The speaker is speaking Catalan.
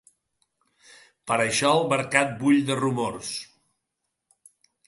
Per això el mercat bull de rumors.